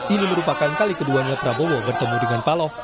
ini merupakan kali keduanya prabowo bertemu dengan paloh